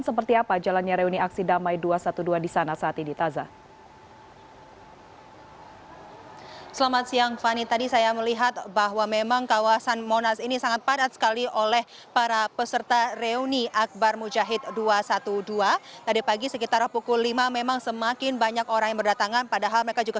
seperti apa jalannya reuni aksi damai dua ratus dua belas di sana saat ini tazah